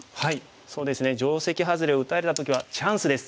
そうですね定石ハズレを打たれた時はチャンスです。